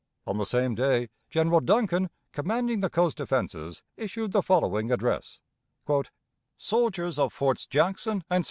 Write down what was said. On the same day General Duncan, commanding the coast defenses, issued the following address: "SOLDIERS OF FORTS JACKSON AND ST.